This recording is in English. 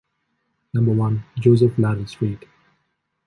Number one, Joseph Latil street.